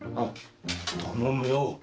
頼むよ。